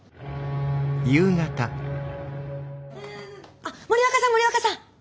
あっ森若さん森若さん！